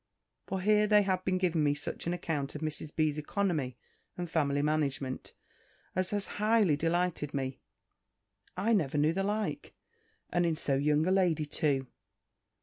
For here they have been giving me such an account of Mrs. B.'s economy, and family management, as has highly delighted me. I never knew the like; and in so young a lady too.